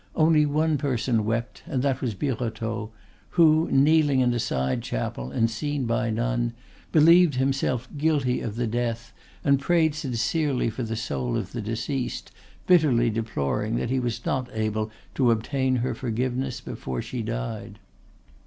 Only one person wept, and that was Birotteau, who, kneeling in a side chapel and seen by none, believed himself guilty of the death and prayed sincerely for the soul of the deceased, bitterly deploring that he was not able to obtain her forgiveness before she died.